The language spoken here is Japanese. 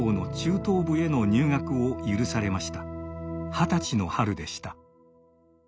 二十歳の春でした。